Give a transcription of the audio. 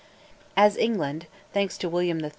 As England, thanks to William III.